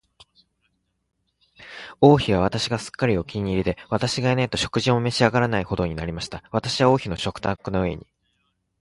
王妃は私がすっかりお気に入りで、私がいないと食事も召し上らないほどになりました。私は王妃の食卓の上に、